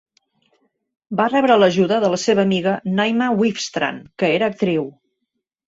Va rebre l'ajuda de la seva amiga Naima Wifstrand, que era actriu.